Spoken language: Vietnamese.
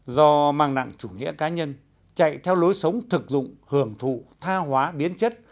do mang nặng chủ nghĩa cá nhân chạy theo lối sống thực dụng hưởng thụ tha hóa biến chất